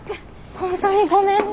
本当にごめんね。